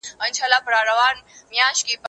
زه به سبا کتابتون ته کتاب وړم وم،